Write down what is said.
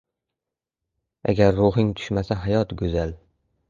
• Agar ruhing tushmasa, hayot ― go‘zal.